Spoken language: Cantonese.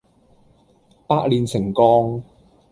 百煉成鋼